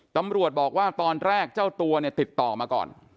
ตำรวจบอกว่าตอนแรกเจ้าตัวเนี่ยติดต่อมาก่อน